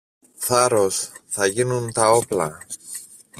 Θάρρος! Θα γίνουν τα όπλα.